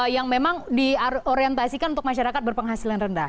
yang memang diorientasikan untuk masyarakat berpenghasilan rendah